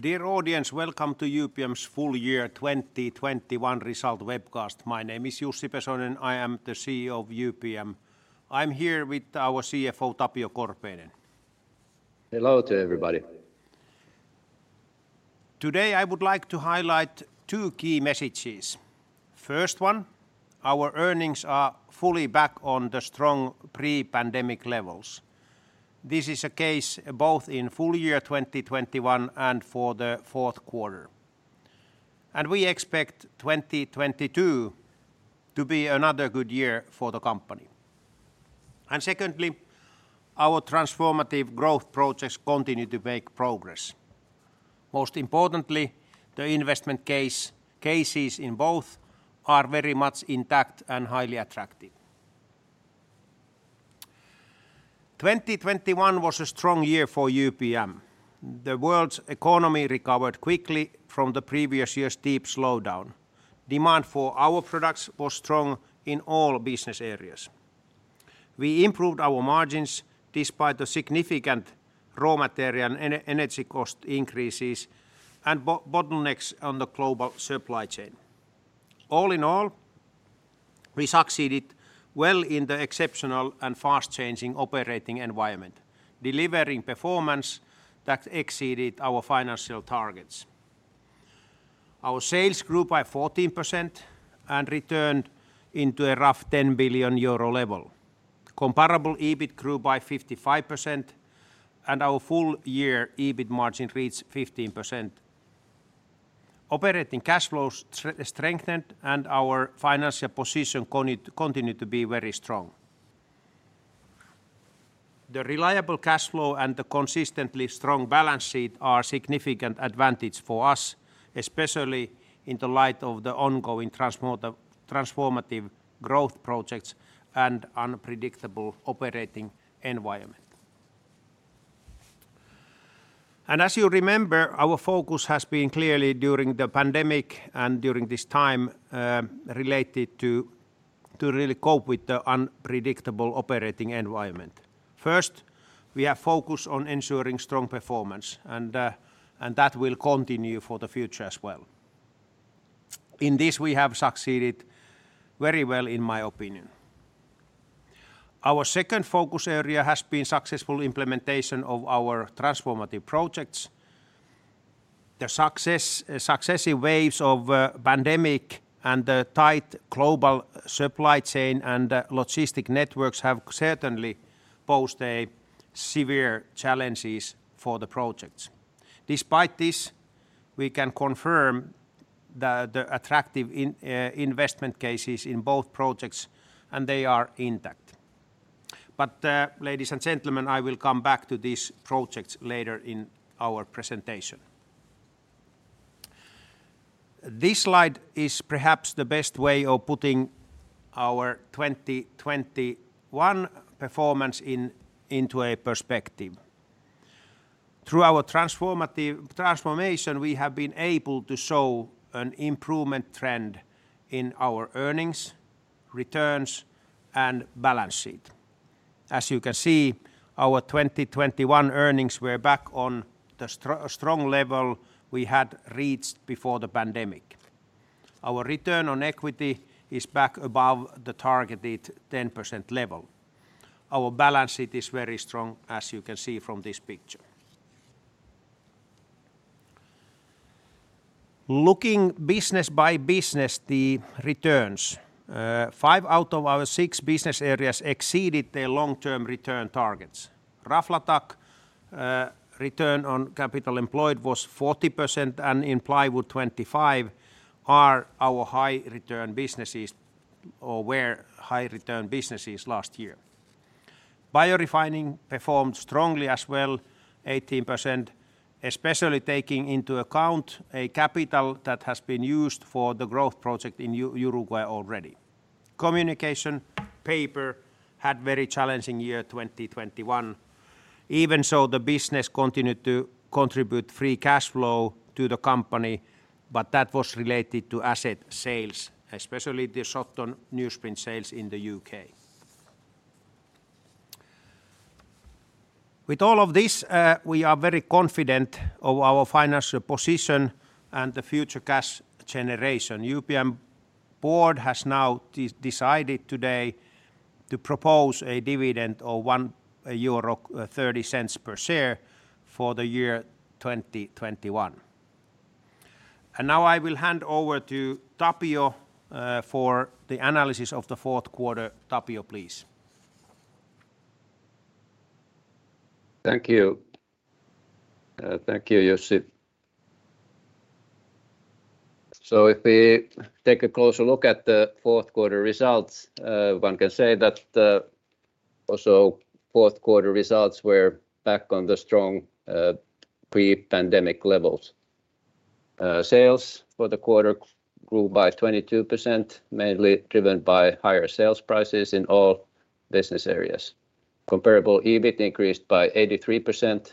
Dear audience, welcome to UPM's Full Year 2021 Result Webcast. My name is Jussi Pesonen, I am the CEO of UPM. I'm here with our CFO, Tapio Korpeinen. Hello to everybody. Today, I would like to highlight two key messages. First one, our earnings are fully back on the strong pre-pandemic levels. This is a case both in full year 2021 and for the fourth quarter. We expect 2022 to be another good year for the company. Secondly, our transformative growth projects continue to make progress. Most importantly, the investment cases in both are very much intact and highly attractive. 2021 was a strong year for UPM. The world's economy recovered quickly from the previous year's deep slowdown. Demand for our products was strong in all business areas. We improved our margins despite the significant raw material and energy cost increases and bottlenecks on the global supply chain. All in all, we succeeded well in the exceptional and fast-changing operating environment, delivering performance that exceeded our financial targets. Our sales grew by 14% and returned into a rough 10 billion euro level. Comparable EBIT grew by 55%, and our full year EBIT margin reached 15%. Operating cash flows strengthened, and our financial position continue to be very strong. The reliable cash flow and the consistently strong balance sheet are a significant advantage for us, especially in the light of the ongoing transformative growth projects and unpredictable operating environment. As you remember, our focus has been clearly during the pandemic and during this time, related to really cope with the unpredictable operating environment. First, we have focused on ensuring strong performance, and that will continue for the future as well. In this, we have succeeded very well in my opinion. Our second focus area has been successful implementation of our transformative projects. Successive waves of pandemic and the tight global supply chain and logistic networks have certainly posed severe challenges for the projects. Despite this, we can confirm the attractive investment cases in both projects, and they are intact. Ladies and gentlemen, I will come back to these projects later in our presentation. This slide is perhaps the best way of putting our 2021 performance into a perspective. Through our transformative transformation, we have been able to show an improvement trend in our earnings, returns, and balance sheet. As you can see, our 2021 earnings were back on the strong level we had reached before the pandemic. Our return on equity is back above the targeted 10% level. Our balance sheet is very strong, as you can see from this picture. Looking business by business, the returns, five out of our six business areas exceeded their long-term return targets. Raflatac, return on capital employed was 40%, and in Plywood, 25%, are our high return businesses or were high return businesses last year. Biorefining performed strongly as well, 18%, especially taking into account a capital that has been used for the growth project in Uruguay already. Communication Papers had a very challenging year 2021. Even so, the business continued to contribute free cash flow to the company, but that was related to asset sales, especially the Shotton newsprint sales in the U.K. With all of this, we are very confident of our financial position and the future cash generation. UPM board has now decided today to propose a dividend of 1.30 euro per share for the year 2021. Now I will hand over to Tapio, for the analysis of the fourth quarter. Tapio, please. Thank you. Thank you, Jussi. If we take a closer look at the fourth quarter results, one can say that, also fourth quarter results were back on the strong, pre-pandemic levels. Sales for the quarter grew by 22%, mainly driven by higher sales prices in all business areas. Comparable EBIT increased by 83%,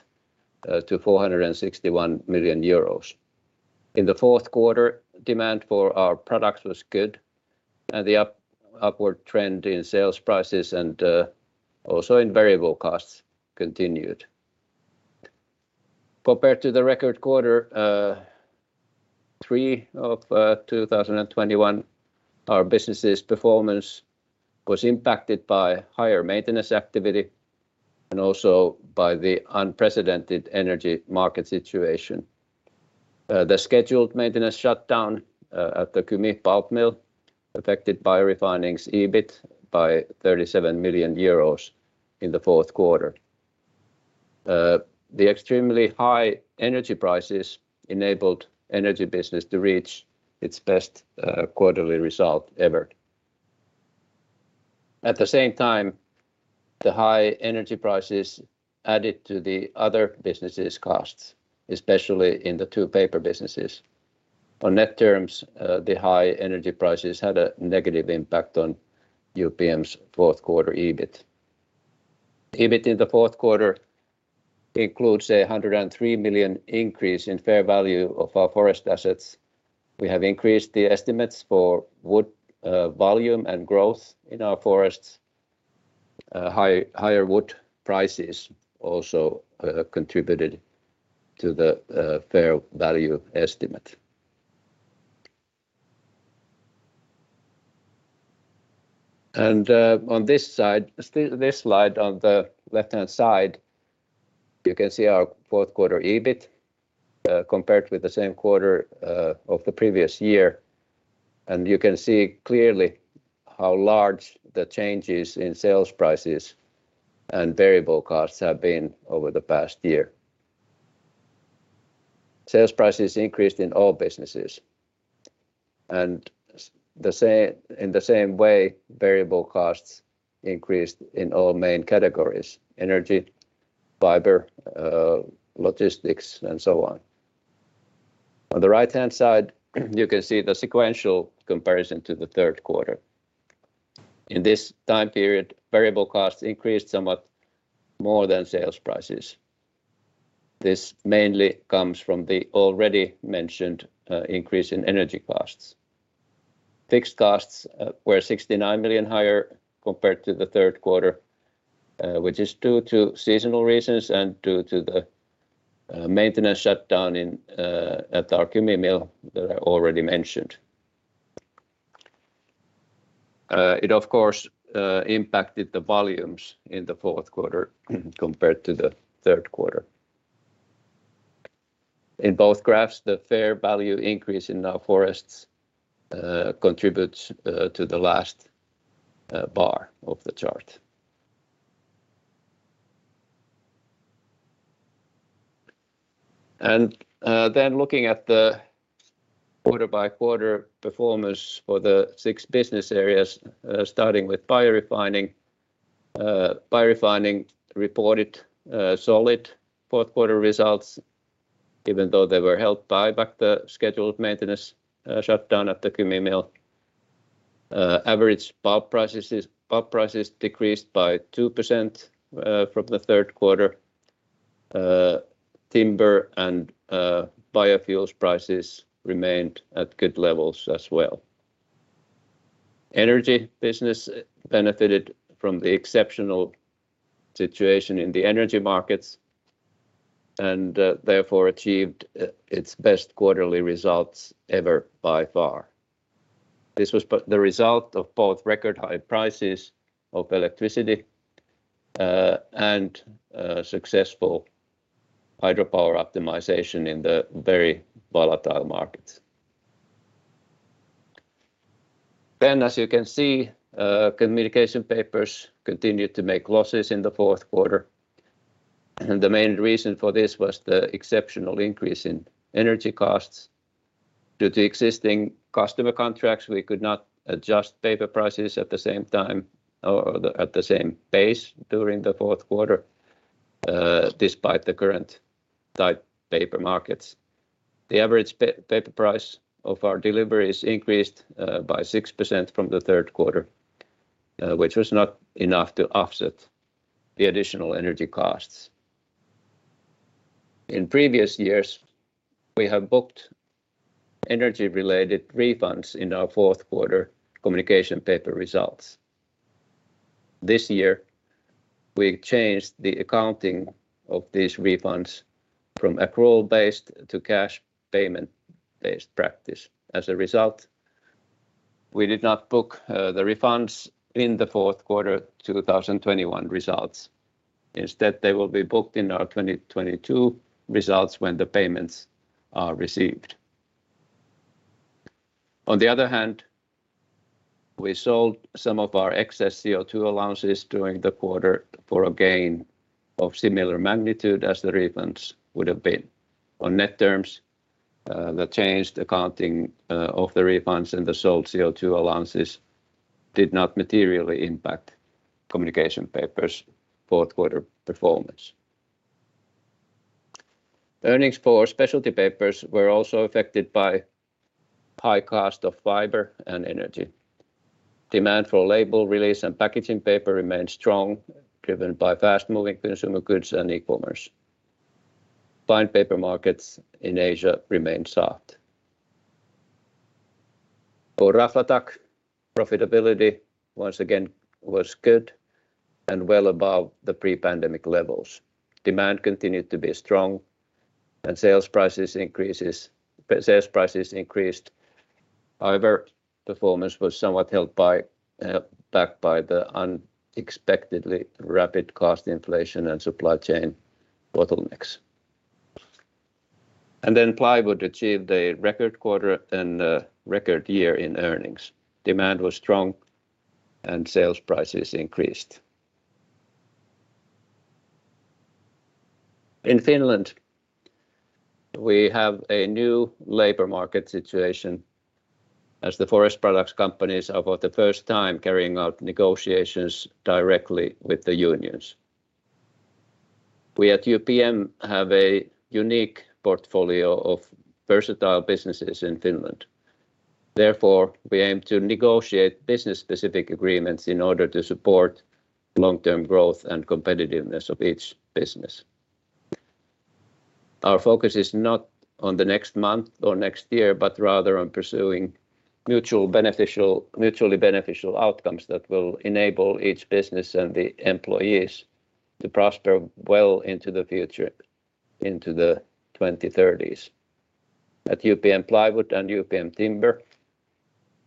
to 461 million euros. In the fourth quarter, demand for our products was good, and the upward trend in sales prices and also in variable costs continued. Compared to the record quarter, Q3 of 2021, our business' performance was impacted by higher maintenance activity and also by the unprecedented energy market situation. The scheduled maintenance shutdown at the Kymi pulp mill affected Biorefining's EBIT by 37 million euros in the fourth quarter. The extremely high energy prices enabled energy business to reach its best quarterly result ever. At the same time, the high energy prices added to the other businesses' costs, especially in the two paper businesses. On net terms, the high energy prices had a negative impact on UPM's fourth quarter EBIT. EBIT in the fourth quarter includes 103 million increase in fair value of our forest assets. We have increased the estimates for wood volume and growth in our forests. Higher wood prices also contributed to the fair value estimate. On this side, this slide on the left-hand side, you can see our fourth quarter EBIT compared with the same quarter of the previous year. You can see clearly how large the changes in sales prices and variable costs have been over the past year. Sales prices increased in all businesses. In the same way, variable costs increased in all main categories, energy, fiber, logistics, and so on. On the right-hand side, you can see the sequential comparison to the third quarter. In this time period, variable costs increased somewhat more than sales prices. This mainly comes from the already mentioned increase in energy costs. Fixed costs were 69 million higher compared to the third quarter, which is due to seasonal reasons and due to the maintenance shutdown in at our Kymi mill that I already mentioned. It of course impacted the volumes in the fourth quarter compared to the third quarter. In both graphs, the fair value increase in our forests contributes to the last bar of the chart. Looking at the quarter-by-quarter performance for the six business areas, starting with Biorefining. Biorefining reported solid fourth quarter results, even though they were held back by the scheduled maintenance shutdown at the Kymi mill. Average pulp prices decreased by 2% from the third quarter. Timber and biofuels prices remained at good levels as well. Energy business benefited from the exceptional situation in the energy markets and therefore achieved its best quarterly results ever by far. This was the result of both record high prices of electricity and successful hydropower optimization in the very volatile markets. As you can see, Communication Papers continued to make losses in the fourth quarter, and the main reason for this was the exceptional increase in energy costs. Due to existing customer contracts, we could not adjust paper prices at the same time or at the same pace during the fourth quarter, despite the current tight paper markets. The average paper price of our deliveries increased by 6% from the third quarter, which was not enough to offset the additional energy costs. In previous years, we have booked energy related refunds in our fourth quarter Communication Papers results. This year, we changed the accounting of these refunds from accrual-based to cash payment-based practice. As a result, we did not book the refunds in the fourth quarter 2021 results. Instead, they will be booked in our 2022 results when the payments are received. On the other hand, we sold some of our excess CO2 allowances during the quarter for a gain of similar magnitude as the refunds would have been. On net terms, the changed accounting of the refunds and the sold CO2 allowances did not materially impact Communication Papers' fourth quarter performance. Earnings for Specialty Papers were also affected by high cost of fiber and energy. Demand for label and release and packaging paper remains strong, driven by fast-moving consumer goods and e-commerce. Fine paper markets in Asia remain soft. For Raflatac, profitability once again was good and well above the pre-pandemic levels. Demand continued to be strong and sales prices increased. However, performance was somewhat held back by the unexpectedly rapid cost inflation and supply chain bottlenecks. Plywood achieved a record quarter and a record year in earnings. Demand was strong and sales prices increased. In Finland, we have a new labor market situation as the forest products companies are for the first time carrying out negotiations directly with the unions. We at UPM have a unique portfolio of versatile businesses in Finland. Therefore, we aim to negotiate business specific agreements in order to support long-term growth and competitiveness of each business. Our focus is not on the next month or next year, but rather on pursuing mutually beneficial outcomes that will enable each business and the employees to prosper well into the future, into the 2030s. At UPM Plywood and UPM Timber,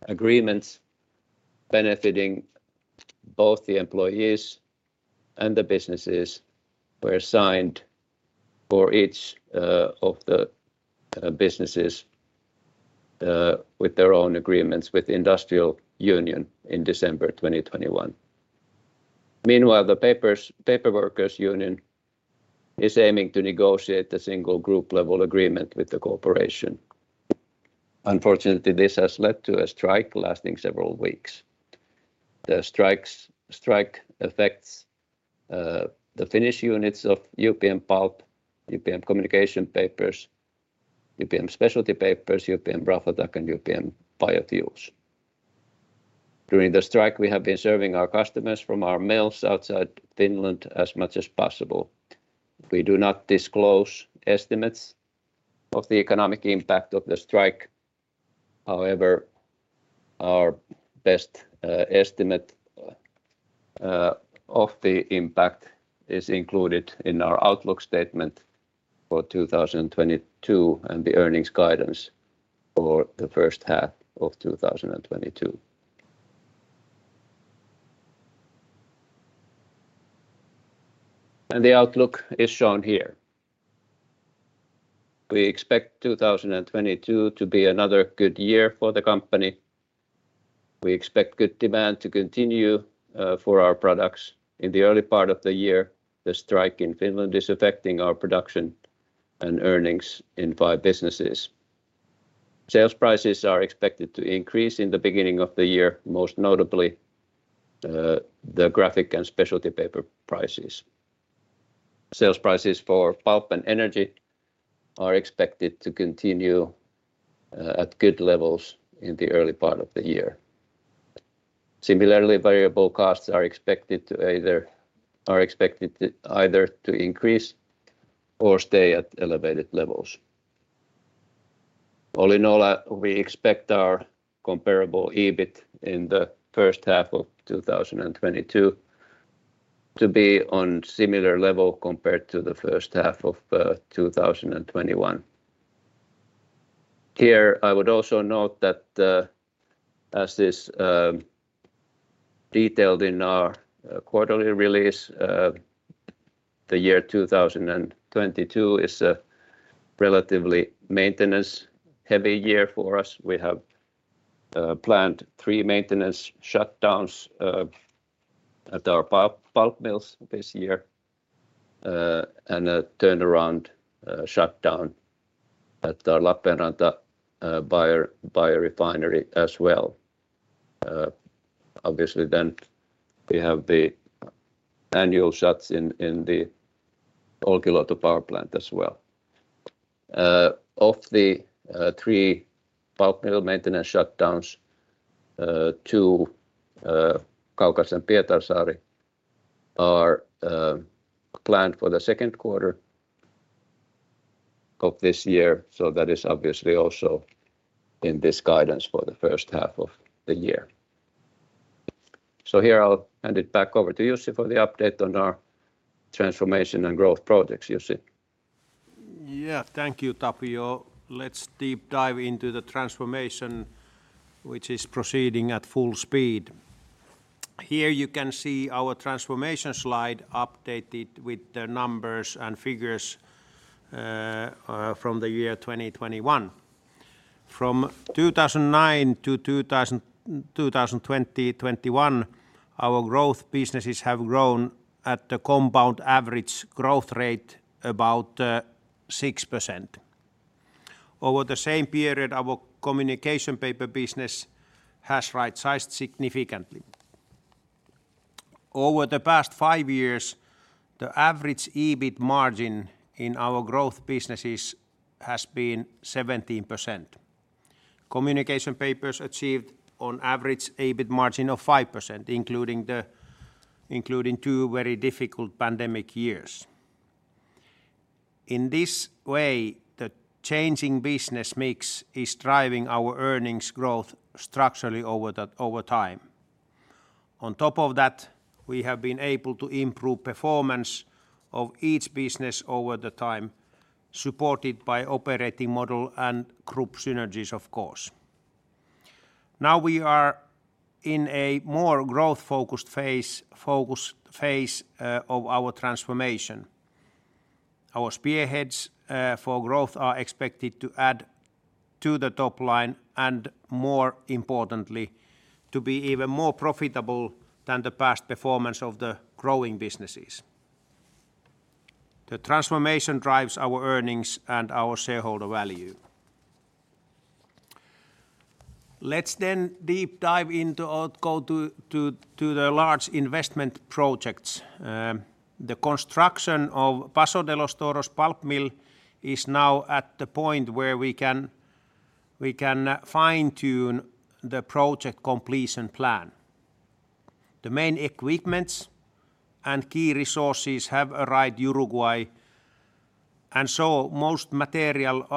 agreements benefiting both the employees and the businesses were signed for each of the businesses with their own agreements with Industrial Union in December 2021. Meanwhile, the Paperworkers' Union is aiming to negotiate a single group level agreement with the corporation. Unfortunately, this has led to a strike lasting several weeks. The strike affects the Finnish units of UPM Pulp, UPM Communication Papers, UPM Specialty Papers, UPM Raflatac, and UPM Biofuels. During the strike, we have been serving our customers from our mills outside Finland as much as possible. We do not disclose estimates of the economic impact of the strike. However, our best estimate of the impact is included in our outlook statement for 2022 and the earnings guidance for the first half of 2022. The outlook is shown here. We expect 2022 to be another good year for the company. We expect good demand to continue for our products. In the early part of the year, the strike in Finland is affecting our production and earnings in five businesses. Sales prices are expected to increase in the beginning of the year, most notably the graphic and specialty paper prices. Sales prices for pulp and energy are expected to continue at good levels in the early part of the year. Similarly, variable costs are expected to either increase or stay at elevated levels. All in all, we expect our comparable EBIT in the first half of 2022 to be on similar level compared to the first half of 2021. Here, I would also note that, as is detailed in our quarterly release, the year 2022 is a relatively maintenance heavy year for us. We have planned three maintenance shutdowns at our pulp mills this year, and a turnaround shutdown at our Lappeenranta biorefinery as well. Obviously then we have the annual shutdowns in the Olkiluoto power plant as well. Of the three pulp mill maintenance shutdowns, two, Kaukas and Pietarsaari are planned for the second quarter of this year, so that is obviously also in this guidance for the first half of the year. Here I'll hand it back over to Jussi for the update on our transformation and growth projects. Jussi? Yeah. Thank you, Tapio. Let's deep dive into the transformation which is proceeding at full speed. Here you can see our transformation slide updated with the numbers and figures from the year 2021. From 2009 to 2021, our growth businesses have grown at the compound annual growth rate about 6%. Over the same period, our Communication Papers business has rightsized significantly. Over the past five years, the average EBIT margin in our growth businesses has been 17%. Communication Papers achieved on average EBIT margin of 5%, including two very difficult pandemic years. In this way, the changing business mix is driving our earnings growth structurally over time. On top of that, we have been able to improve performance of each business over time, supported by operating model and group synergies of course. Now we are in a more growth-focused phase of our transformation. Our spearheads for growth are expected to add to the top line and more importantly, to be even more profitable than the past performance of the growing businesses. The transformation drives our earnings and our shareholder value. Let's deep dive into or go to the large investment projects. The construction of Paso de los Toros pulp mill is now at the point where we can fine-tune the project completion plan. The main equipments and key resources have arrived Uruguay, and so most material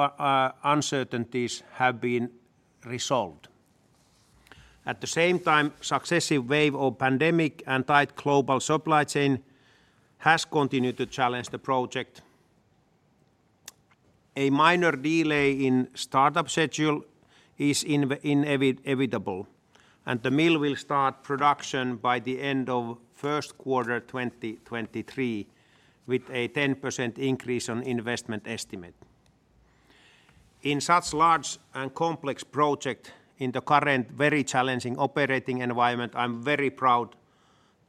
uncertainties have been resolved. At the same time, successive wave of pandemic and tight global supply chain has continued to challenge the project. A minor delay in startup schedule is inevitable, and the mill will start production by the end of first quarter 2023, with a 10% increase on investment estimate. In such large and complex project in the current very challenging operating environment, I'm very proud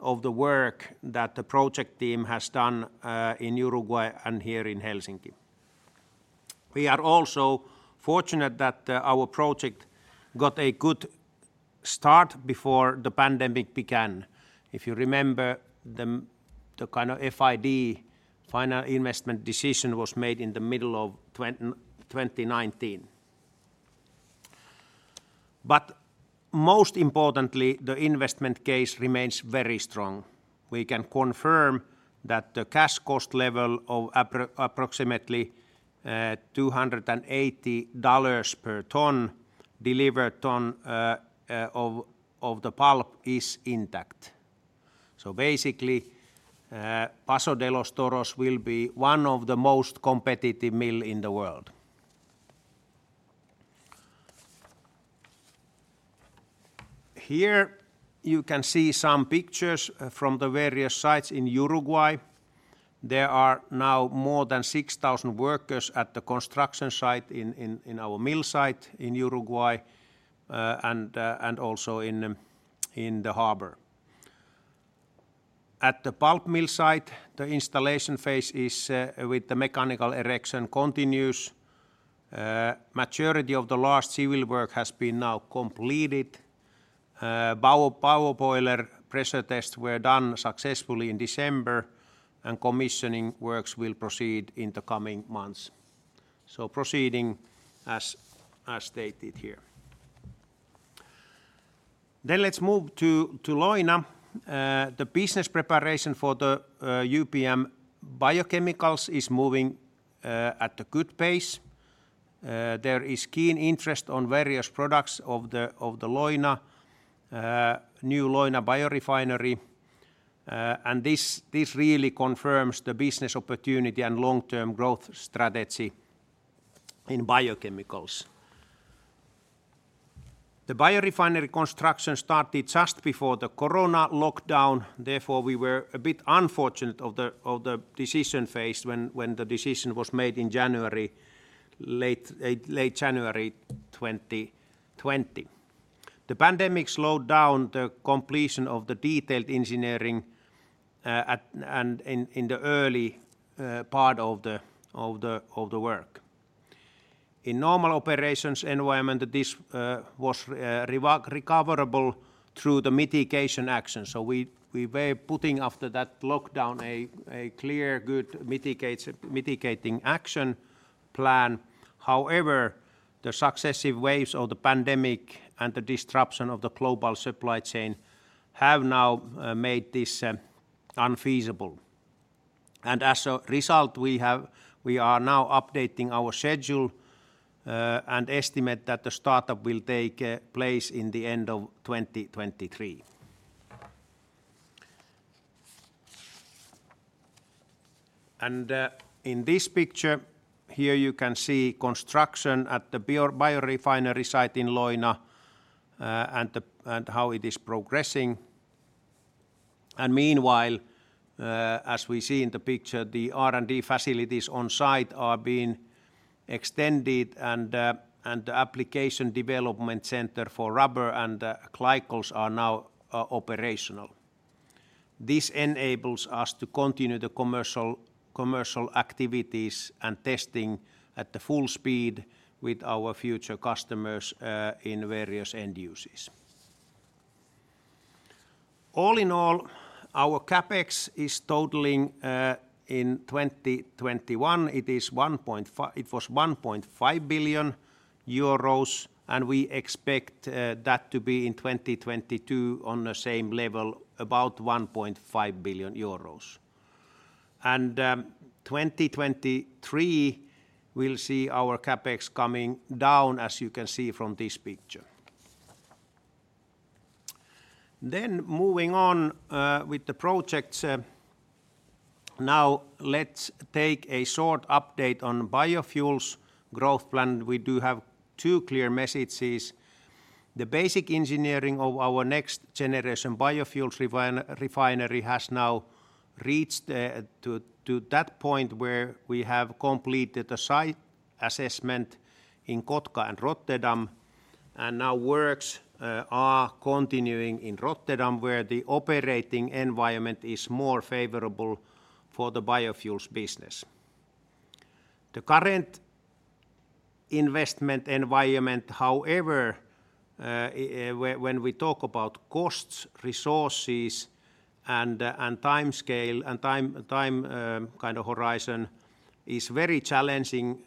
of the work that the project team has done in Uruguay and here in Helsinki. We are also fortunate that our project got a good start before the pandemic began. If you remember the FID, Final Investment Decision was made in the middle of 2019. Most importantly, the investment case remains very strong. We can confirm that the cash cost level of approximately $280 per ton, delivered ton of the pulp is intact. Basically, Paso de los Toros will be one of the most competitive mill in the world. Here you can see some pictures from the various sites in Uruguay. There are now more than 6,000 workers at the construction site in our mill site in Uruguay, and also in the harbor. At the pulp mill site, the installation phase is with the mechanical erection continues. Majority of the last civil work has been now completed. Power boiler pressure tests were done successfully in December, and commissioning works will proceed in the coming months. Proceeding as stated here. Let's move to Leuna. The business preparation for the UPM Biochemicals is moving at a good pace. There is keen interest in various products of the new Leuna biorefinery. This really confirms the business opportunity and long-term growth strategy in biochemicals. The biorefinery construction started just before the corona lockdown, therefore we were a bit unfortunate in the decision phase when the decision was made in late January 2020. The pandemic slowed down the completion of the detailed engineering and in the early part of the work. In normal operating environment, this was recoverable through the mitigation action. We put after that lockdown a clear good mitigating action plan. However, the successive waves of the pandemic and the disruption of the global supply chain have now made this unfeasible. As a result, we are now updating our schedule, and estimate that the startup will take place in the end of 2023. In this picture here you can see construction at the biorefinery site in Leuna, and how it is progressing. Meanwhile, as we see in the picture, the R&D facilities on site are being extended, and the application development center for rubber and glycols are now operational. This enables us to continue the commercial activities and testing at the full speed with our future customers in various end uses. All in all, our CapEx is totaling in 2021, it was 1.5 billion euros, and we expect that to be in 2022 on the same level, about 1.5 billion euros. 2023 will see our CapEx coming down, as you can see from this picture. Moving on with the projects. Now let's take a short update on biofuels growth plan. We do have two clear messages. The basic engineering of our next generation biofuels biorefinery has now reached to that point where we have completed a site assessment in Kotka and Rotterdam, and now work is continuing in Rotterdam, where the operating environment is more favorable for the biofuels business. The current investment environment, however, when we talk about costs, resources, and timescale and time kind of horizon, is very challenging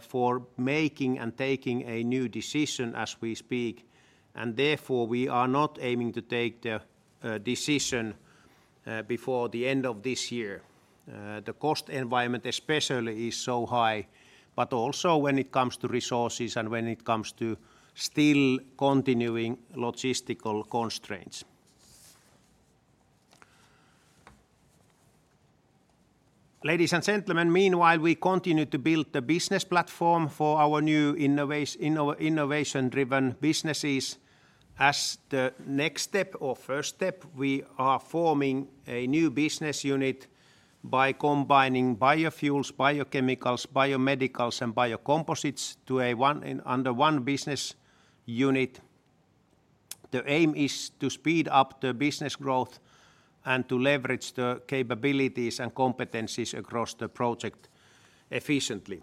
for making and taking a new decision as we speak, and therefore, we are not aiming to take the decision before the end of this year. The cost environment especially is so high, but also when it comes to resources and when it comes to still continuing logistical constraints. Ladies and gentlemen, meanwhile, we continue to build the business platform for our new innovation-driven businesses. As the next step or first step, we are forming a new business unit by combining biofuels, biochemicals, biomedicals, and biocomposites to a one and under one business unit. The aim is to speed up the business growth and to leverage the capabilities and competencies across the project efficiently.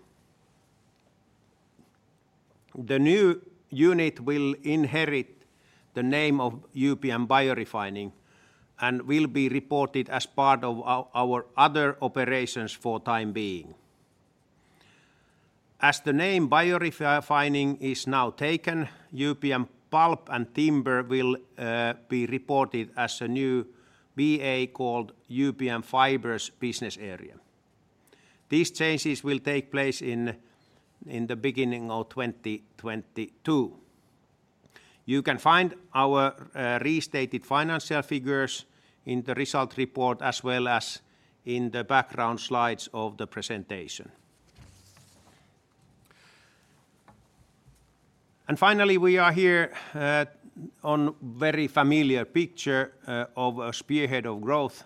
The new unit will inherit the name of UPM Biorefining and will be reported as part of our other operations for time being. As the name Biorefining is now taken, UPM Pulp and Timber will be reported as a new BA called UPM Fibres business area. These changes will take place in the beginning of 2022. You can find our restated financial figures in the result report as well as in the background slides of the presentation. Finally, we are here on very familiar picture of a spearhead of growth.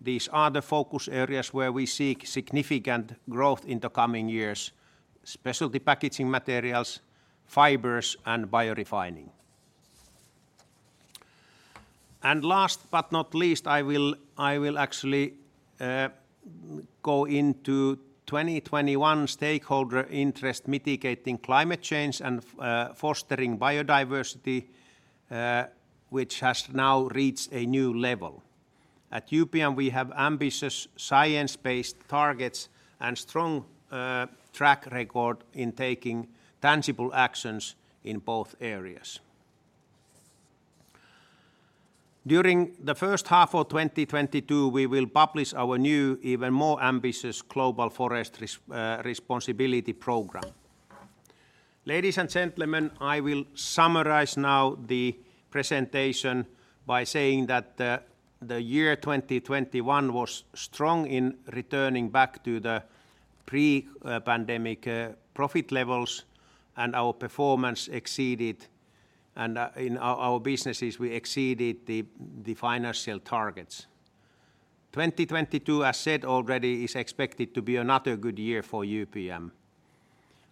These are the focus areas where we seek significant growth in the coming years, specialty packaging materials, Fibres, and Biorefining. Last but not least, I will actually go into 2021 stakeholder interests mitigating climate change and fostering biodiversity, which has now reached a new level. At UPM, we have ambitious science-based targets and strong track record in taking tangible actions in both areas. During the first half of 2022, we will publish our new, even more ambitious Global Forest Responsibility Program. Ladies and gentlemen, I will summarize now the presentation by saying that the year 2021 was strong in returning back to the pre-pandemic profit levels, and our performance exceeded, and in our businesses, we exceeded the financial targets. 2022, as said already, is expected to be another good year for UPM.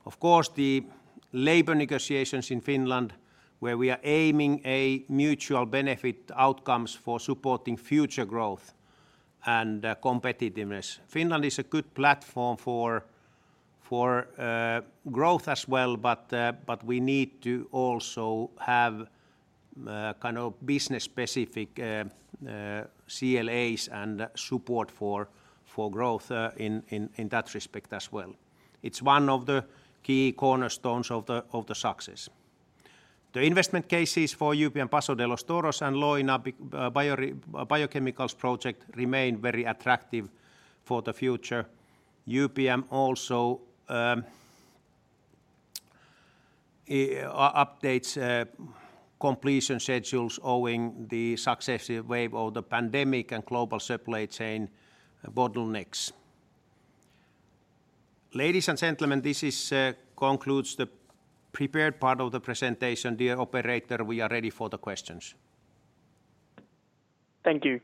Of course, the labor negotiations in Finland, where we are aiming a mutual benefit outcomes for supporting future growth and competitiveness. Finland is a good platform for growth as well, but we need to also have kind of business-specific CLAs and support for growth in that respect as well. It's one of the key cornerstones of the success. The investment cases for UPM Paso de los Toros and Leuna Biochemicals project remain very attractive for the future. UPM also updates completion schedules owing the successive wave of the pandemic and global supply chain bottlenecks. Ladies and gentlemen, this concludes the prepared part of the presentation. Dear operator, we are ready for the questions. Thank you.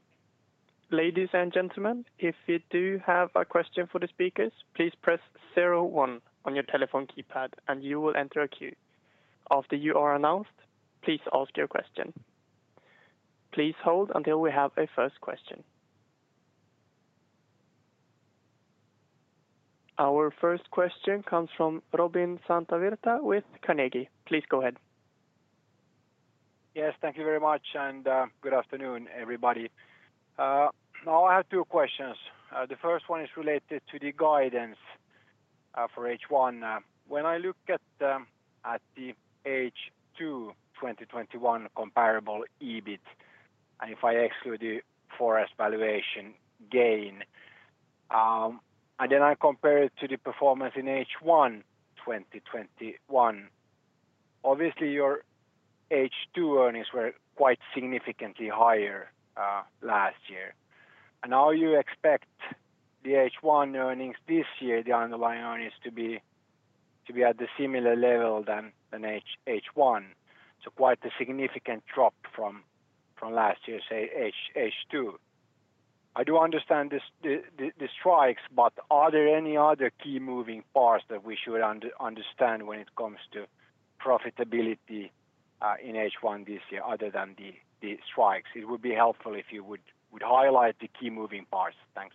Ladies and gentlemen, if you do have a question for the speakers, please press zero one on your telephone keypad, and you will enter a queue. After you are announced, please ask your question. Please hold until we have a first question. Our first question comes from Robin Santavirta with Carnegie. Please go ahead. Yes. Thank you very much, and good afternoon, everybody. Now I have two questions. The first one is related to the guidance for H1. When I look at the H2 2021 comparable EBIT, and if I exclude the forest valuation gain, and then I compare it to the performance in H1 2021, obviously your H2 earnings were quite significantly higher last year. Now you expect the H1 earnings this year, the underlying earnings to be at the similar level than H1, so quite a significant drop from last year's H2. I do understand the strikes, but are there any other key moving parts that we should understand when it comes to profitability in H1 this year other than the strikes? It would be helpful if you would highlight the key moving parts. Thanks.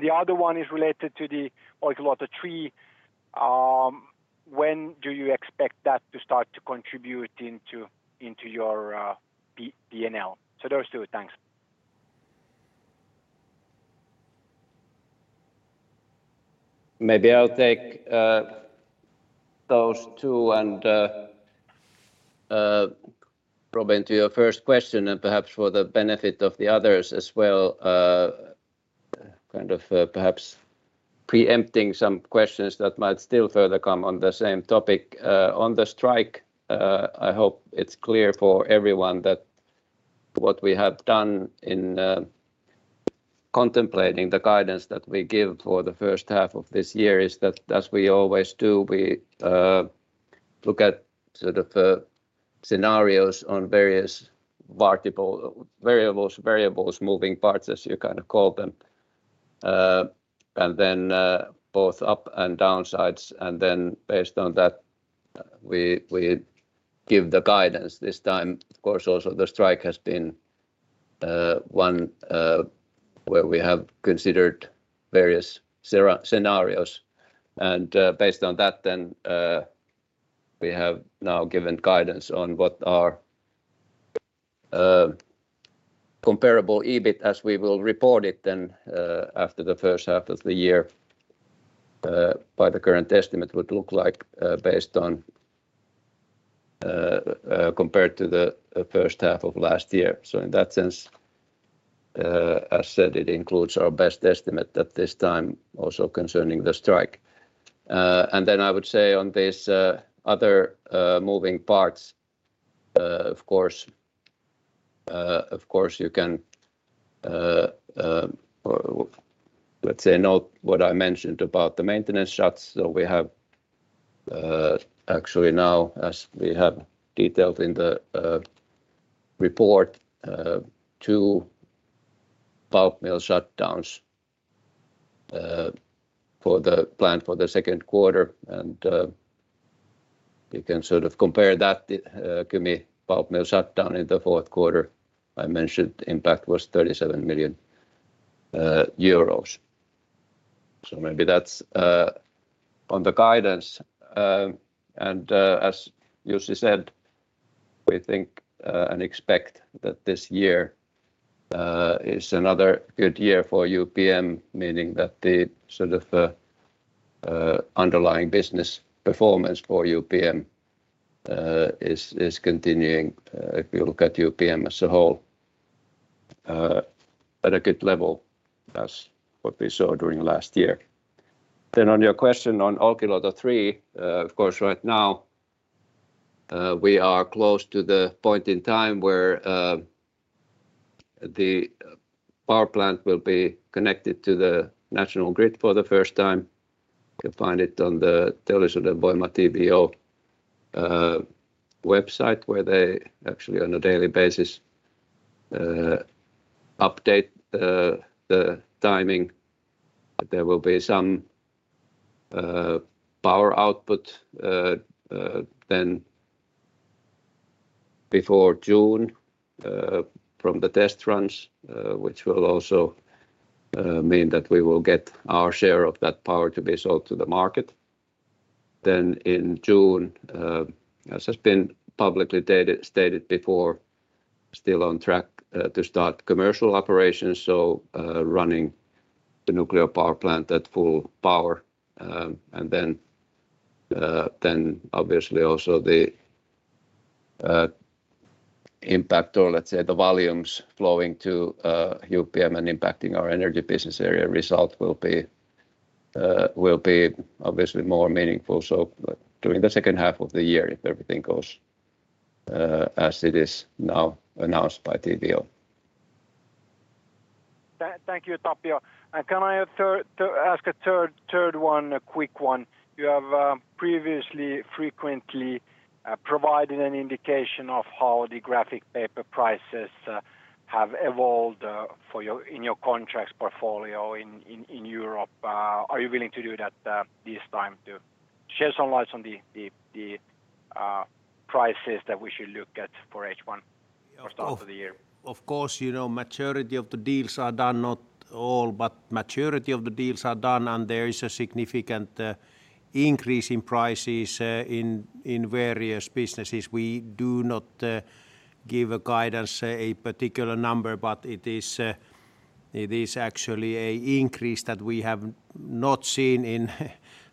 The other one is related to the Olkiluoto3. When do you expect that to start to contribute into your P&L? So those two. Thanks. Maybe I'll take those two. Robin, to your first question, and perhaps for the benefit of the others as well, kind of perhaps preempting some questions that might still further come on the same topic. On the strike, I hope it's clear for everyone that what we have done in contemplating the guidance that we give for the first half of this year is that as we always do, we look at sort of scenarios on various verticals, variables, moving parts as you kind of call them. Then both up and downsides, and then based on that, we give the guidance this time. Of course also the strike has been one where we have considered various scenarios. Based on that then we have now given guidance on what our comparable EBIT as we will report it then after the first half of the year by the current estimate would look like based on compared to the first half of last year. In that sense as said it includes our best estimate at this time also concerning the strike. I would say on this other moving parts of course you can let's say note what I mentioned about the maintenance shutdowns that we have actually now as we have detailed in the report two pulp mill shutdowns planned for the second quarter. You can sort of compare that to Kymi pulp mill shutdown in the fourth quarter I mentioned, impact was 37 million euros. Maybe that's on the guidance. As Jussi said, we think and expect that this year is another good year for UPM, meaning that the sort of underlying business performance for UPM is continuing, if you look at UPM as a whole, at a good level as what we saw during last year. On your question on Olkiluoto 3, of course right now we are close to the point in time where the power plant will be connected to the national grid for the first time. You can find it on the Teollisuuden Voima TVO website where they actually on a daily basis update the timing that there will be some power output then before June from the test runs which will also mean that we will get our share of that power to be sold to the market. In June as has been publicly stated before still on track to start commercial operations so running the nuclear power plant at full power. Obviously also the impact or let's say the volumes flowing to UPM and impacting our energy business area result will be obviously more meaningful during the second half of the year if everything goes as it is now announced by TVO. Thank you, Tapio. Can I add a third one, a quick one? You have previously frequently provided an indication of how the graphic paper prices have evolved for your in your contracts portfolio in Europe. Are you willing to do that this time too? Shed some light on the prices that we should look at for H1 or start of the year. Of course, you know, not all, but maturity of the deals are done and there is a significant increase in prices in various businesses. We do not give guidance, a particular number, but it is actually an increase that we have not seen in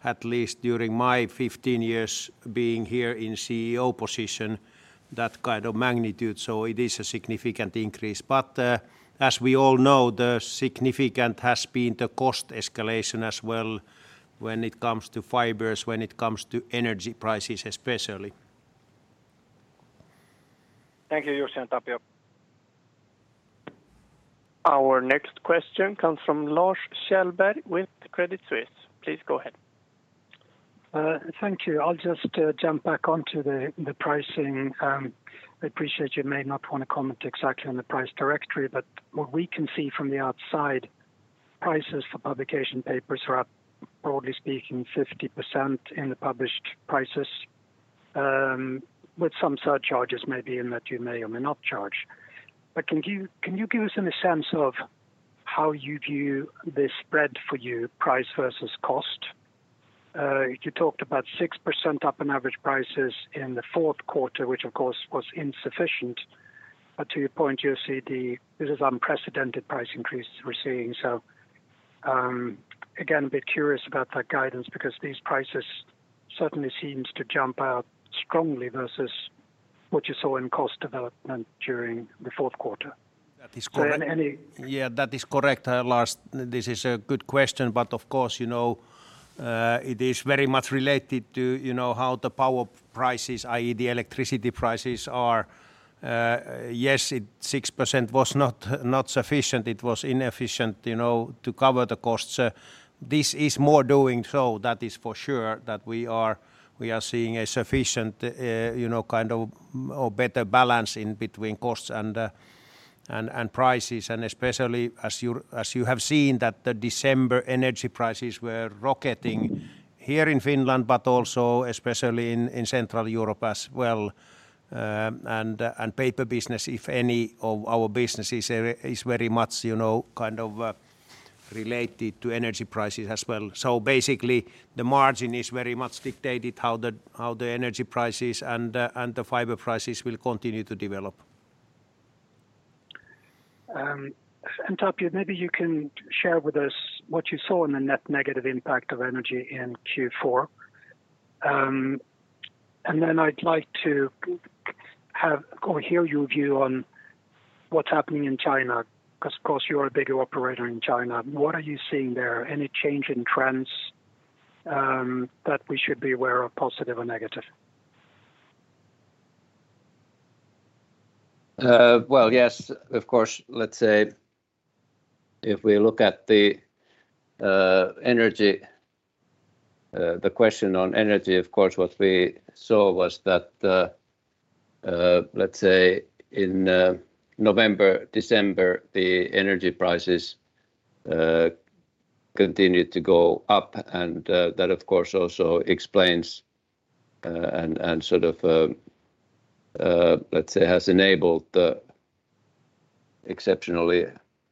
at least during my 15 years being here in CEO position, that kind of magnitude. It is a significant increase. As we all know, the significant has been the cost escalation as well when it comes to fibers, when it comes to energy prices especially. Thank you, Jussi and Tapio. Our next question comes from Lars Kjellberg with Credit Suisse. Please go ahead. Thank you. I'll just jump back onto the pricing. I appreciate you may not want to comment exactly on the price directory, but what we can see from the outside, prices for publication papers are up, broadly speaking, 50% in the published prices, with some surcharges maybe in that you may or may not charge. Can you give us any sense of how you view the spread for you, price versus cost? You talked about 6% up in average prices in the fourth quarter, which of course was insufficient. To your point, you see this is unprecedented price increases we're seeing. Again, a bit curious about that guidance because these prices certainly seems to jump out strongly versus what you saw in cost development during the fourth quarter. That is correct. So any- Yeah, that is correct, Lars. This is a good question, but of course, you know, it is very much related to, you know, how the power prices, i.e., the electricity prices are. Yes, six percent was not sufficient. It was inefficient, you know, to cover the costs. This is more doing so, that is for sure, that we are seeing a sufficient, you know, kind of or better balance in between costs and prices. Especially as you have seen that the December energy prices were rocketing here in Finland but also especially in Central Europe as well, and paper business, if any of our businesses is very much, you know, kind of related to energy prices as well. Basically the margin is very much dictated by how the energy prices and the fiber prices will continue to develop. Tapio, maybe you can share with us what you saw in the net negative impact of energy in Q4. I'd like to have or hear your view on what's happening in China, 'cause of course you are a bigger operator in China. What are you seeing there? Any change in trends that we should be aware of, positive or negative? Well, yes, of course. Let's say if we look at the energy, the question on energy, of course, what we saw was that, let's say in November, December, the energy prices continued to go up, and that of course also explains, and sort of, let's say has enabled the exceptionally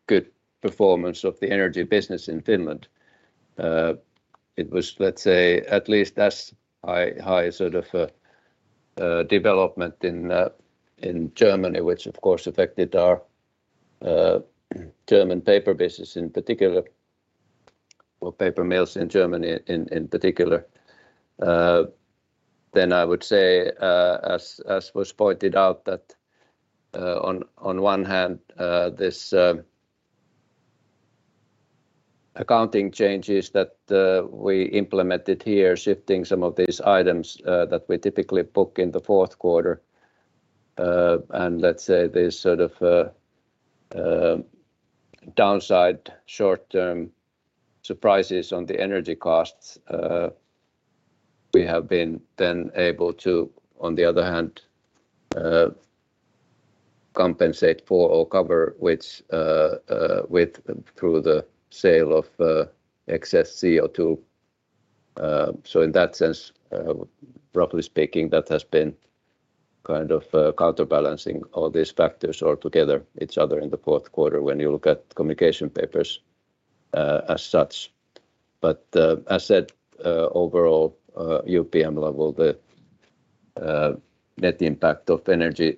good performance of the energy business in Finland. It was, let's say, at least as high sort of development in Germany, which of course affected our German paper business in particular, or paper mills in Germany in particular. I would say, as was pointed out, that on one hand, this accounting changes that we implemented here, shifting some of these items that we typically book in the fourth quarter, and let's say there's sort of downside short-term surprises on the energy costs, we have been then able to, on the other hand, compensate for or cover through the sale of excess CO2. In that sense, roughly speaking, that has been kind of counterbalancing all these factors all together, each other in the fourth quarter when you look at Communication Papers as such. As said, overall, UPM level, the net impact of energy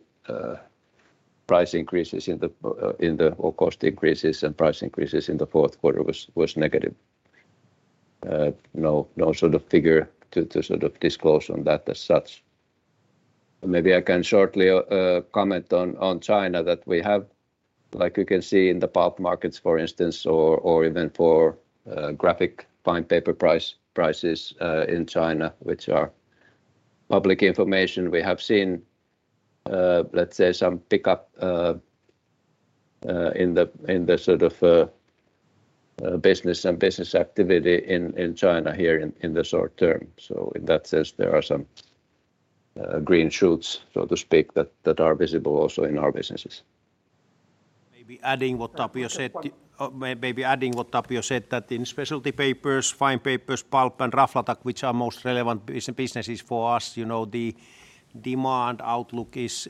price increases or cost increases and price increases in the fourth quarter was negative. No sort of figure to sort of disclose on that as such. Maybe I can shortly comment on China that we have, like you can see in the pulp markets, for instance, or even for graphic fine paper prices in China, which are public information. We have seen, let's say some pickup in the sort of business and business activity in China here in the short term. In that sense, there are some green shoots, so to speak, that are visible also in our businesses. Maybe adding what Tapio said that in Specialty Papers, Fine Papers, Pulp, and Raflatac, which are most relevant businesses for us, you know, the demand outlook is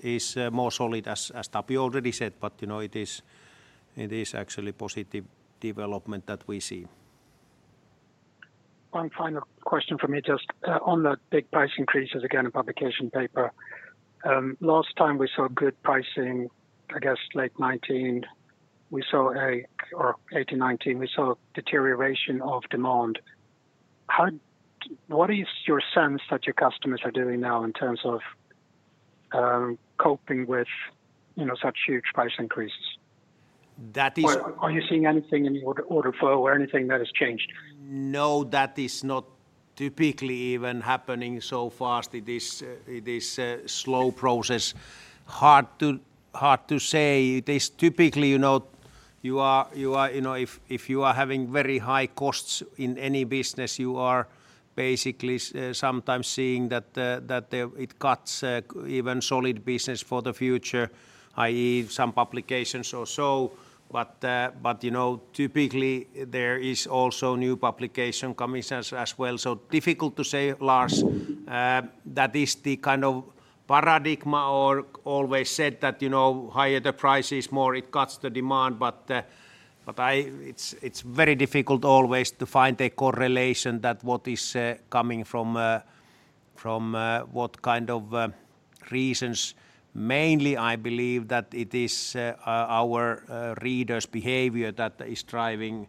more solid as Tapio already said. You know, it is actually positive development that we see. One final question from me just on the big price increases, again, in publication paper. Last time we saw good pricing, I guess late 2019, or 2018, 2019, we saw deterioration of demand. What is your sense that your customers are doing now in terms of coping with, you know, such huge price increases? That is- Are you seeing anything in your order flow or anything that has changed? No, that is not typically even happening so fast. It is a slow process. Hard to say. It is typically, you know, you are. You know, if you are having very high costs in any business, you are basically sometimes seeing that it cuts even solid business for the future, i.e., some publications or so. You know, typically there is also new publication coming as well, so difficult to say, Lars. That is the kind of paradigm or always said that, you know, higher the price is, more it cuts the demand. It's very difficult always to find a correlation that what is coming from what kind of reasons. Mainly, I believe that it is our readers' behavior that is driving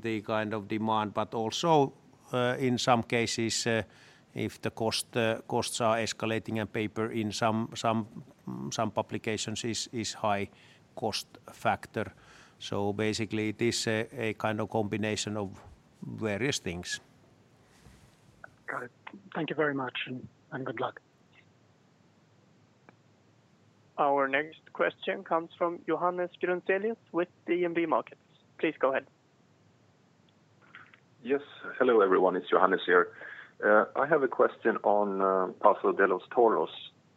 the kind of demand, but also, in some cases, if the costs are escalating and paper in some publications is high-cost factor. Basically it is a kind of combination of various things. Got it. Thank you very much and good luck. Our next question comes from Johannes Grunselius with DNB Markets. Please go ahead. Yes. Hello, everyone. It's Johannes here. I have a question on Paso de los Toros.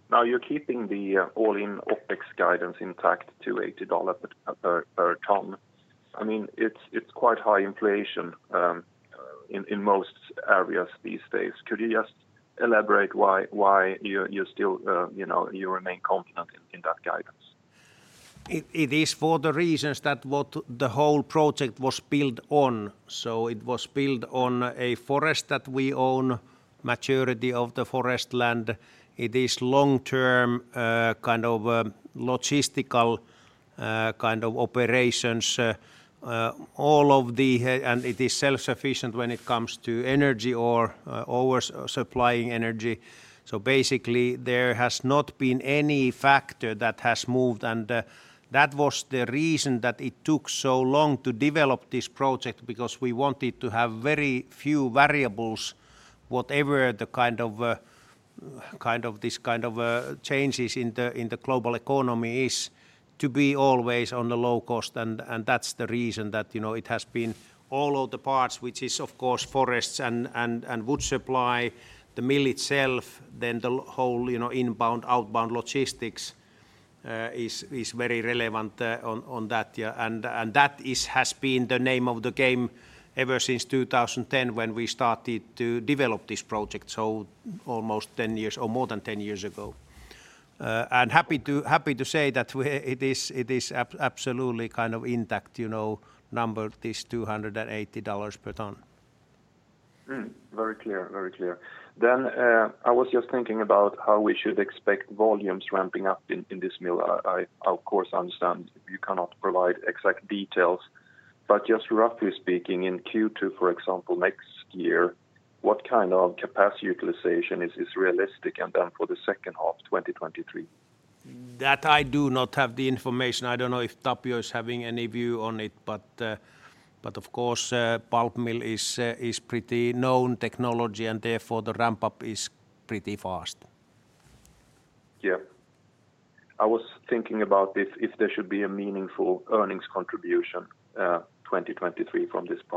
Now, you're keeping the all-in OPEX guidance intact to $80 per ton. I mean, it's quite high inflation in most areas these days. Could you just elaborate why you're still you know you remain confident in that guidance? It is for the reasons that what the whole project was built on. It was built on a forest that we own, maturity of the forest land. It is long-term, kind of, logistical, kind of operations. It is self-sufficient when it comes to energy or oversupplying energy. Basically, there has not been any factor that has moved. That was the reason that it took so long to develop this project because we wanted to have very few variables, whatever the kind of changes in the global economy is to be always on the low cost. That's the reason that, you know, it has been all of the parts, which is of course forests and wood supply, the mill itself, then the whole, you know, inbound, outbound logistics, is very relevant, on that. Yeah. That has been the name of the game ever since 2010 when we started to develop this project, so almost 10 years or more than 10 years ago. Happy to say that we—it is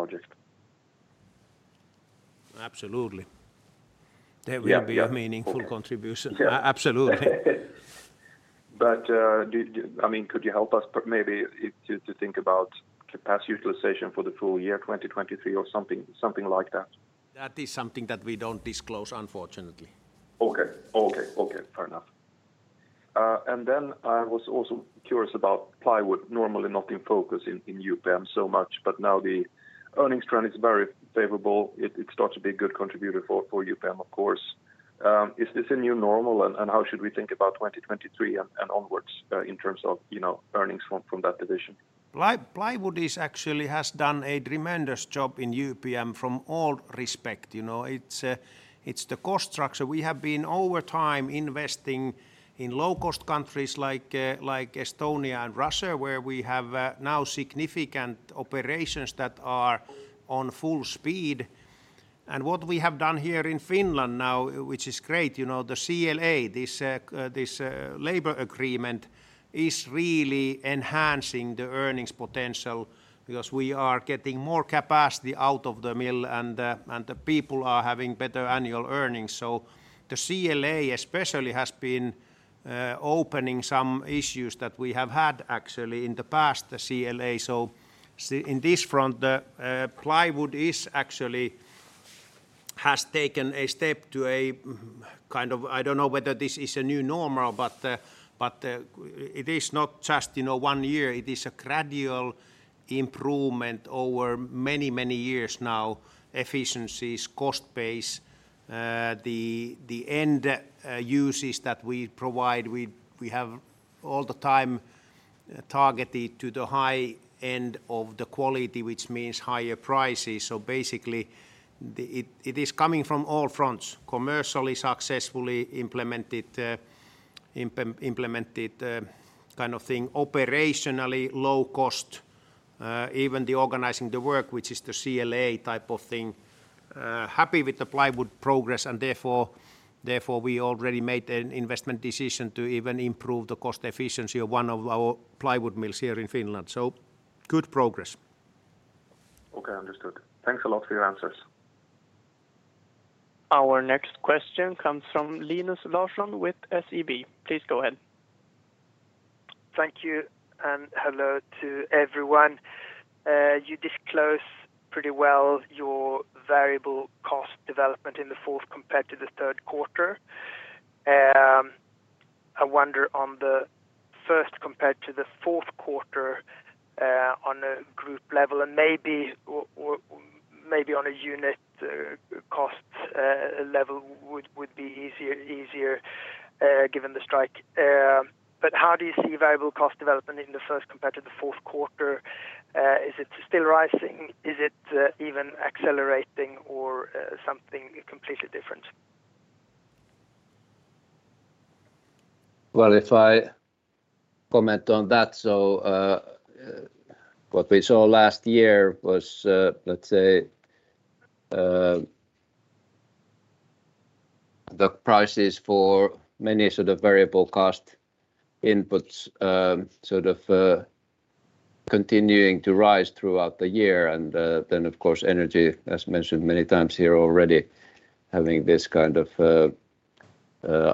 favorable. It starts to be a good contributor for UPM, of course. Is this a new normal, and how should we think about 2023 and onwards, in terms of, you know, earnings from that division? Plywood actually has done a tremendous job in UPM from all respects. You know, it's the cost structure. We have been over time investing in low-cost countries like Estonia and Russia, where we have now significant operations that are on full speed. What we have done here in Finland now, which is great, you know, the CLA, this labor agreement is really enhancing the earnings potential because we are getting more capacity out of the mill and the people are having better annual earnings. The CLA especially has been opening some issues that we have had actually in the past, the CLA. In this front, plywood actually has taken a step to a kind of. I don't know whether this is a new normal, but it is not just, you know, one year. It is a gradual improvement over many, many years now. Efficiencies, cost base, the end uses that we provide, we have all the time targeted to the high end of the quality, which means higher prices. So basically it is coming from all fronts, commercially successfully implemented, kind of thing, operationally low cost, even the organizing the work, which is the CLA type of thing. Happy with the Plywood progress and therefore we already made an investment decision to even improve the cost efficiency of one of our Plywood mills here in Finland. Good progress. Okay. Understood. Thanks a lot for your answers. Our next question comes from Linus Larsson with SEB. Please go ahead. Thank you and hello to everyone. You disclose pretty well your variable cost development in the fourth compared to the third quarter. I wonder on the first compared to the fourth quarter, on a group level and maybe on a unit cost level would be easier, given the strike. How do you see variable cost development in the first compared to the fourth quarter? Is it still rising? Is it even accelerating or something completely different? Well, if I comment on that, what we saw last year was, let's say, the prices for many sort of variable cost inputs, sort of, continuing to rise throughout the year and, then of course energy, as mentioned many times here already, having this kind of,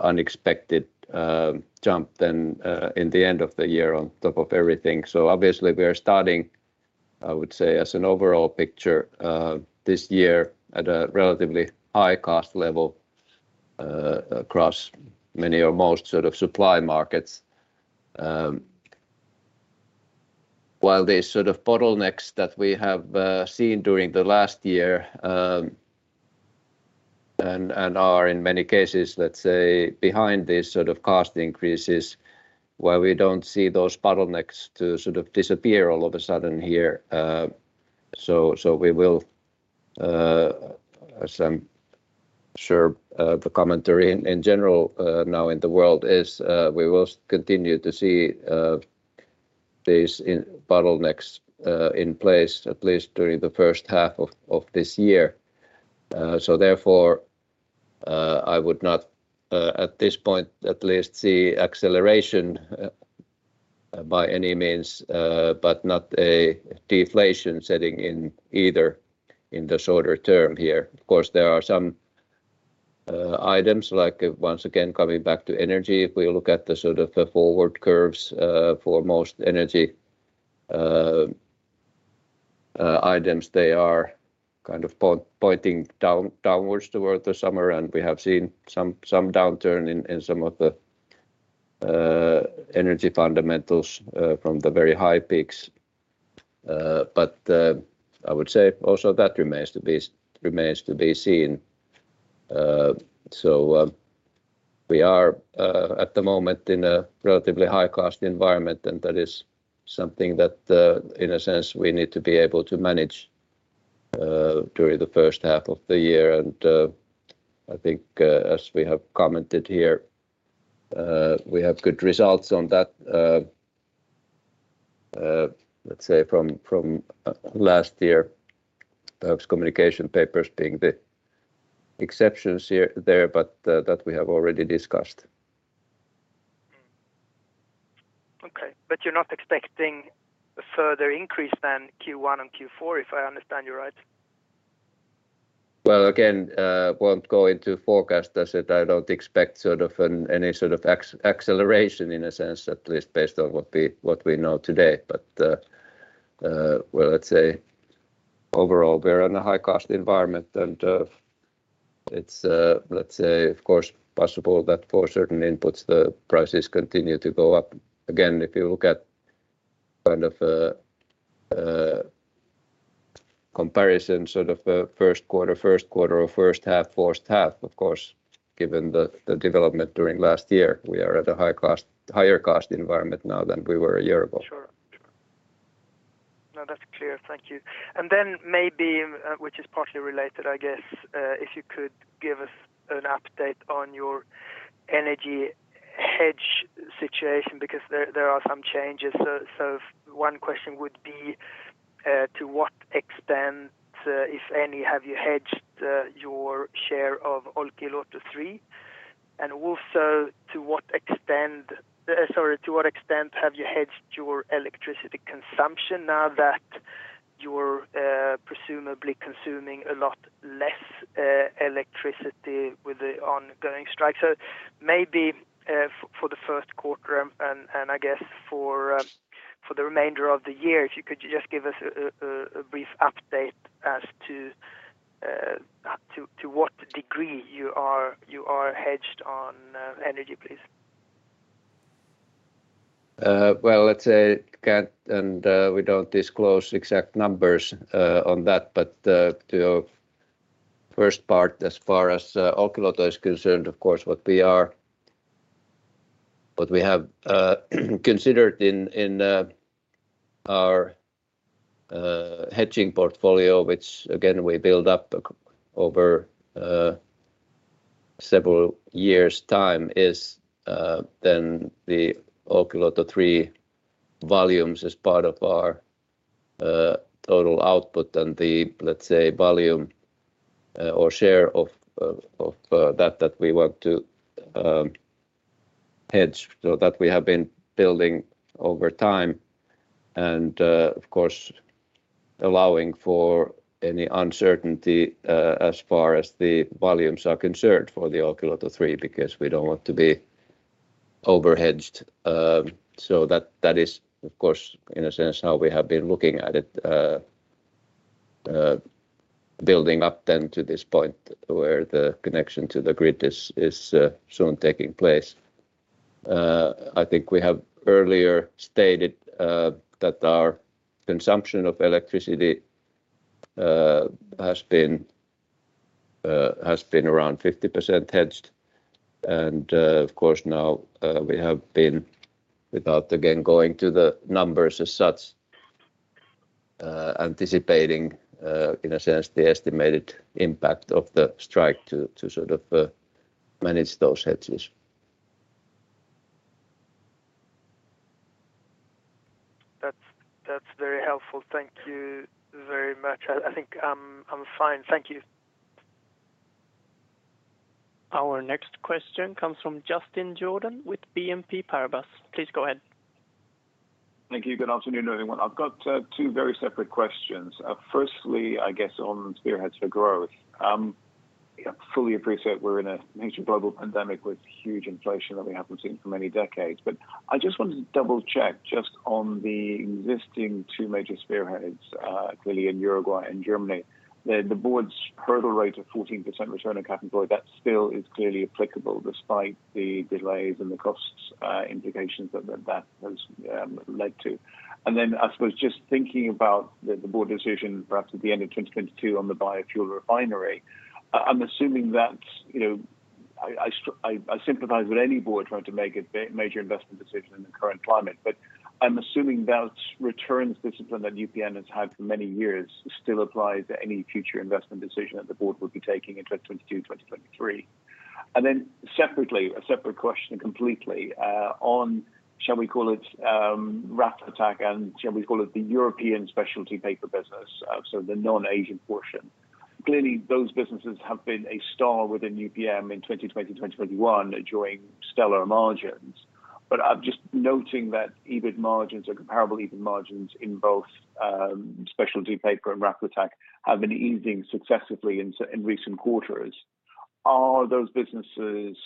unexpected, jump then, in the end of the year on top of everything. Obviously we are starting, I would say, as an overall picture, this year at a relatively high-cost level, across many or most sort of supply markets. While the sort of bottlenecks that we have seen during the last year and are in many cases, let's say, behind these sort of cost increases, while we don't see those bottlenecks to sort of disappear all of a sudden here, as I'm sure the commentary in general now in the world is, we will continue to see these bottlenecks in place at least during the first half of this year. Therefore, I would not at this point at least see acceleration by any means, but not a deflation setting in either in the shorter term here. Of course, there are some items like, once again, coming back to energy. If we look at sort of the forward curves for most energy items, they are kind of pointing downwards toward the summer, and we have seen some downturn in some of the energy fundamentals from the very high peaks. But I would say also that remains to be seen. We are at the moment in a relatively high-cost environment, and that is something that in a sense we need to be able to manage during the first half of the year. I think as we have commented here, we have good results on that, let's say from last year, perhaps Communication Papers being the exceptions here there, but that we have already discussed. Okay. You're not expecting a further increase than Q1 and Q4 if I understand you right? Well, again, won't go into forecast. As said, I don't expect sort of any sort of acceleration in a sense, at least based on what we know today. But, well, let's say overall we're in a high-cost environment and it's let's say of course possible that for certain inputs the prices continue to go up. Again, if you look at kind of a comparison, sort of a first quarter or first half, of course, given the development during last year, we are at a high-cost, higher-cost environment now than we were a year ago. Sure. Sure. No, that's clear. Thank you. Maybe, which is partially related I guess, if you could give us an update on your energy hedge situation because there are some changes. One question would be, to what extent, if any, have you hedged your share of Olkiluoto 3? Also, to what extent have you hedged your electricity consumption now that you're presumably consuming a lot less electricity with the ongoing strike? Maybe, for the first quarter and I guess for the remainder of the year, if you could just give us a brief update as to what degree you are hedged on energy, please. Well, let's say we can't and we don't disclose exact numbers on that. To your first part as far as Olkiluoto is concerned, of course, what we have considered in our hedging portfolio which again we build up over several years' time is then the Olkiluoto3 volumes as part of our total output and the, let's say, volume or share of that that we want to hedge so that we have been building over time. Of course allowing for any uncertainty as far as the volumes are concerned for the Olkiluoto 3 because we don't want to be over-hedged. That is of course, in a sense, how we have been looking at it. Building up then to this point where the connection to the grid is soon taking place. I think we have earlier stated that our consumption of electricity has been around 50% hedged. Of course, now we have been, without again going to the numbers as such, anticipating in a sense the estimated impact of the strike to sort of manage those hedges. That's very helpful. Thank you very much. I think I'm fine. Thank you. Our next question comes from Justin Jordan with BNP Paribas. Please go ahead. Thank you. Good afternoon, everyone. I've got two very separate questions. Firstly, I guess on spearheads for growth. Yeah, fully appreciate we're in a major global pandemic with huge inflation that we haven't seen for many decades. I just wanted to double-check just on the existing two major spearheads clearly in Uruguay and Germany. The board's hurdle rate of 14% return on capital employed, that still is clearly applicable despite the delays and the costs implications that that has led to. Then I suppose just thinking about the board decision perhaps at the end of 2022 on the biofuel refinery, I'm assuming that, you know, I sympathize with any board trying to make a major investment decision in the current climate. I'm assuming that returns discipline that UPM has had for many years still applies to any future investment decision that the board would be taking in 2022, 2023. Then separately, a separate question completely, on, shall we call it, Raflatac and shall we call it the European specialty paper business, so the non-Asian portion. Clearly, those businesses have been a star within UPM in 2020, 2021, enjoying stellar margins. I'm just noting that EBIT margins or comparable EBIT margins in both, specialty paper and Raflatac have been easing successively in recent quarters. Are those businesses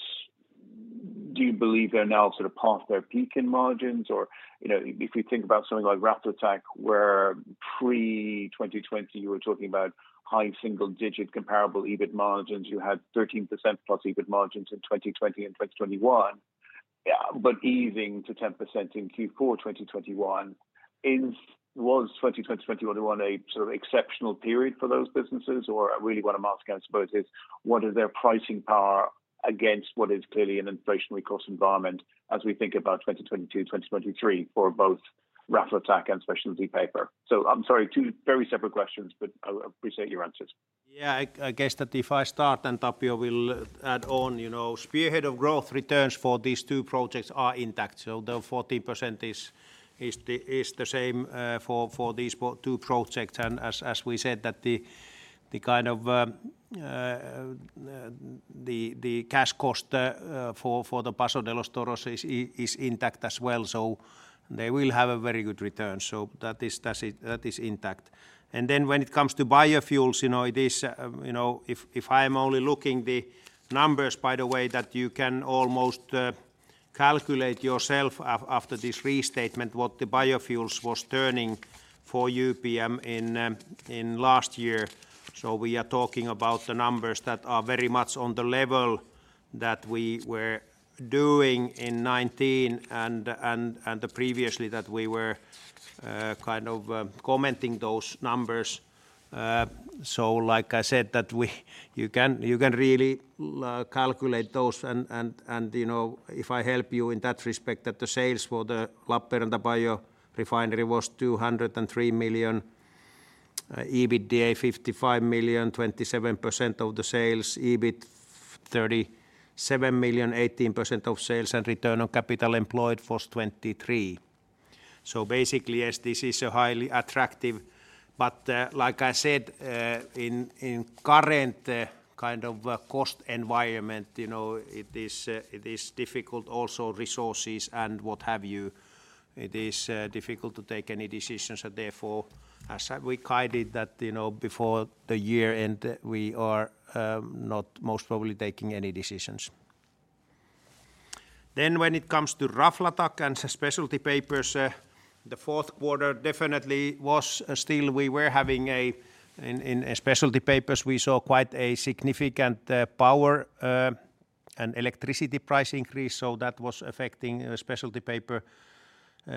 now sort of past their peak in margins? Do you believe they're now sort of past their peak in margins? You know, if we think about something like Raflatac, where pre-2020 you were talking about high single digit comparable EBIT margins, you had 13%+ EBIT margins in 2020 and 2021. Easing to 10% in Q4 2021. Was 2020, 2021 a sort of exceptional period for those businesses? Really what I'm asking I suppose is, what is their pricing power against what is clearly an inflationary cost environment as we think about 2022, 2023 for both Raflatac and specialty paper? I'm sorry, two very separate questions, but I'll appreciate your answers. Yeah. I guess that if I start, then Tapio will add on. You know, spearhead of growth returns for these two projects are intact. The 14% is the same for these two projects. As we said, the cash cost for the Paso de los Toros is intact as well, so they will have a very good return. That is intact. When it comes to biofuels, you know, it is, you know, if I am only looking at the numbers by the way that you can almost calculate yourself after this restatement what the biofuels was returning for UPM in last year. We are talking about the numbers that are very much on the level that we were doing in 2019 and previously that we were kind of commenting those numbers. Like I said, you can really calculate those and, you know, if I help you in that respect, that the sales for the Lappeenranta Biorefinery was 203 million EBITDA 55 million, 27% of the sales. EBIT 37 million, 18% of sales, and return on capital employed was 23%. Basically, yes, this is a highly attractive, but, like I said, in current kind of cost environment, you know, it is difficult also resources and what have you. It is difficult to take any decisions and therefore as we guided that, you know, before the year end, we are not most probably taking any decisions. When it comes to Raflatac and Specialty Papers, the fourth quarter definitely was. In Specialty Papers we saw quite a significant power and electricity price increase, so that was affecting Specialty Papers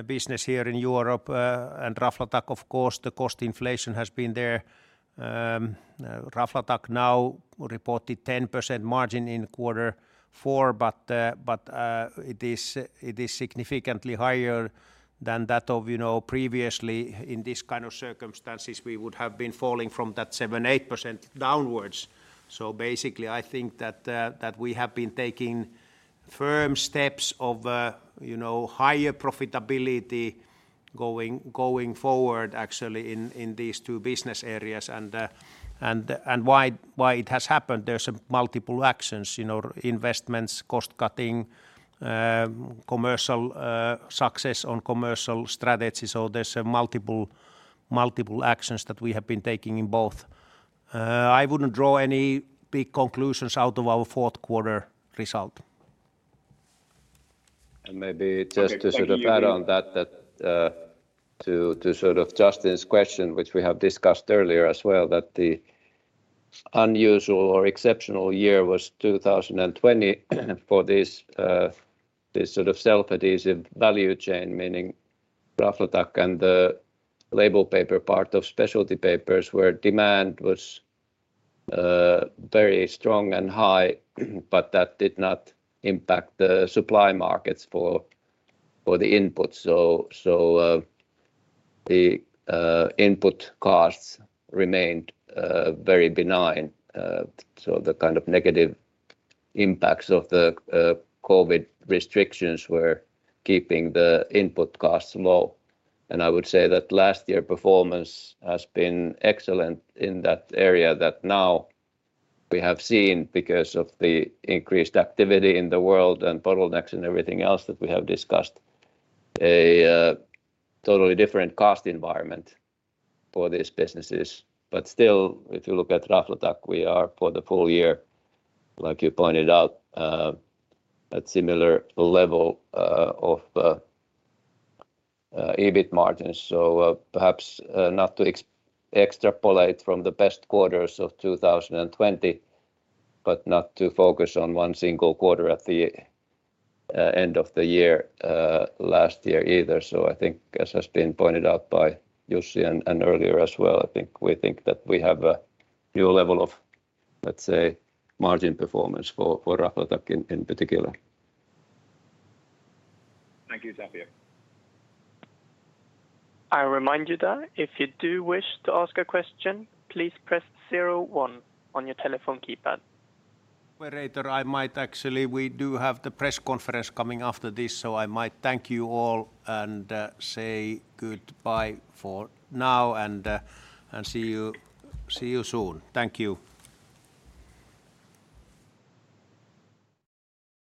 business here in Europe. And Raflatac, of course, the cost inflation has been there. Raflatac now reported 10% margin in quarter four, but it is significantly higher than that of, you know, previously in this kind of circumstances we would have been falling from that 7%-8% downwards. Basically I think that we have been taking firm steps of, you know, higher profitability going forward actually in these two business areas. Why it has happened, there's multiple actions, you know, investments, cost-cutting, commercial success on commercial strategy. There's multiple actions that we have been taking in both. I wouldn't draw any big conclusions out of our fourth quarter result. Maybe just to sort of add on that. Okay. Thank you, Jussi. To sort of Justin's question, which we have discussed earlier as well, the unusual or exceptional year was 2020 for this sort of self-adhesive value chain, meaning Raflatac and the label paper part of Specialty Papers where demand was very strong and high, but that did not impact the supply markets for the input. The input costs remained very benign. The kind of negative impacts of the COVID restrictions were keeping the input costs low. I would say that last year performance has been excellent in that area that now we have seen because of the increased activity in the world and bottlenecks and everything else that we have discussed, a totally different cost environment for these businesses. Still, if you look at Raflatac, we are for the full year, like you pointed out, at similar level of EBIT margins. Perhaps not to extrapolate from the best quarters of 2020, but not to focus on one single quarter at the end of the year last year either. I think as has been pointed out by Jussi and earlier as well, I think we think that we have a new level of, let's say, margin performance for Raflatac in particular. Thank you, Tapio. I remind you that if you do wish to ask a question, please press zero one on your telephone keypad. Operator, I might actually. We do have the press conference coming after this, so I might thank you all and say goodbye for now and see you soon. Thank you.